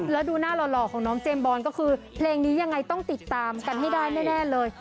แล้วดูหน้าหล่อของน้องเจมส์บอลก็คือเพลงนี้ยังไงต้องติดตามกันให้ได้แน่เลย